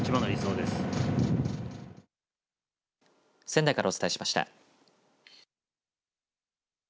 仙台からお伝えしました。